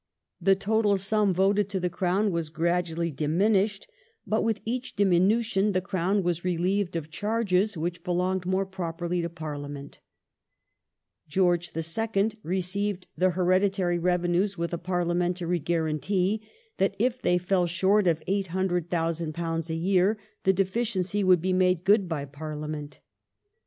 The total sum voted to the Crown was gradually diminished, but with each diminution the Crown was relieved of charges which belonged more properly to Parliament. George II. received the hereditary revenues with a parliamentary guarantee that if they fell short of £800,000 a year the deficiency would be made good by Parliament.